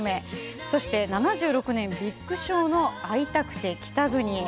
そして７６年「ビッグショー」の「逢いたくて北国へ」。